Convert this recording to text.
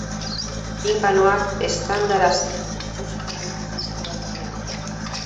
Tinpanoak eztandarazten dituzten ziztuak dira.